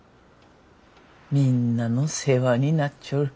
みんなの世話になっちょる。